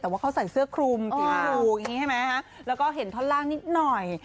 แต่ว่าเขาใส่เสื้อคลุมสีชมพูอย่างนี้ใช่ไหมฮะแล้วก็เห็นท่อนล่างนิดหน่อย